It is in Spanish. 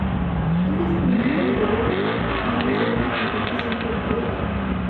Este descubrimiento le llevó a una segunda confrontación con Kolbe.